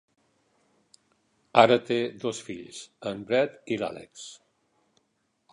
Ara té dos fills, en Brett i l'Alex.